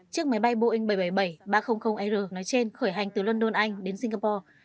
chiếc máy bay boeing bảy trăm bảy mươi bảy ba trăm linh r nói trên khởi hành từ london anh đến singapore